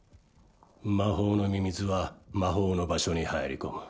魔法のミミズは魔法の場所に入り込む。